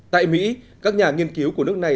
tại mỹ các nhà nghiên cứu của nước này